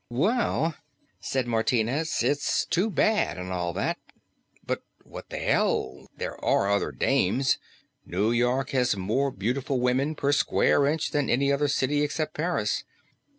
"Well," said Martinez, "it's too bad and all that. But what the hell, there are other dames. New York has more beautiful women per square inch than any other city except Paris.